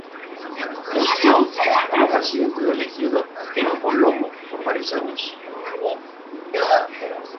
Fungió como Presidente del Ejido de El Colomo por varios años.